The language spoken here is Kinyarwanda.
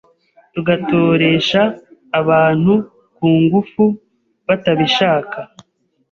tugatoresha abantu kungufu batabishaka